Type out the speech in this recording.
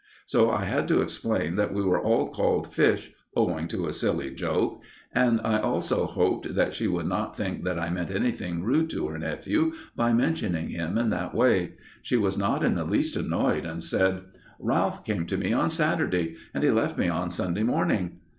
So I had to explain that we were all called fish, owing to a silly joke, and I also hoped that she would not think that I meant anything rude to her nephew by mentioning him in that way. She was not in the least annoyed, and said: "Ralph came to me on Saturday, and he left me on Sunday morning."